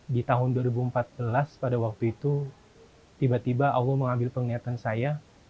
di tahun dua ribu empat belas pada waktu itu tiba tiba allah mengambil penglihatan saya